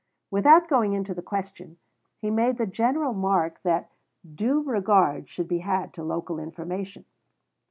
Without going into the question, he made the general remark that "due regard should be had to local information."